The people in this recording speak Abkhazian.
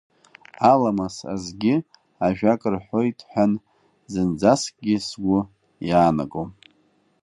Аламыс азгьы ажәак рҳәоит ҳәан зынӡаскгьы сгәы иаанагом.